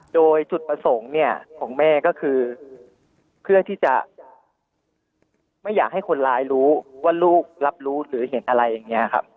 โดยจุดประสงค์เนี่ยของแม่ก็คือเพื่อที่จะไม่อยากให้คนร้ายรู้ว่าลูกรับรู้หรือเห็นอะไรอย่างนี้ครับ